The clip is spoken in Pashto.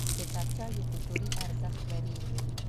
کتابچه یو کلتوري ارزښت لري